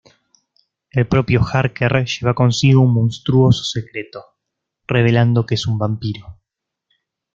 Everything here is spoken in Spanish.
El propio Harker lleva consigo otro monstruoso secreto, revelando que es un vampiro.